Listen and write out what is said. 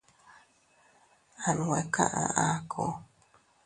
Anwe kaʼa akuu.